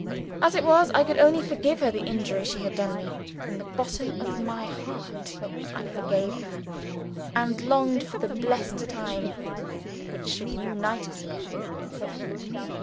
As it was, I could only forgive her the injury she had done me. From the bottom of my heart, I forgave her, and longed for the blessed time which should unite us again.